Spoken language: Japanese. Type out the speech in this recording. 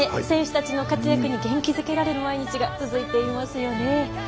選手たちの活躍に元気づけられる毎日が続いていますよね。